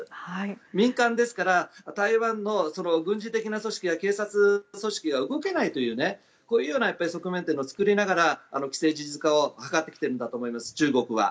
民間ですから台湾の軍事的な組織や警察組織が動けないというこういう側面というのを作りながら中国は既成事実化を図ってきているんだと思います。